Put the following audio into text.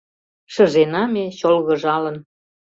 Шыжена ме чолгыжалын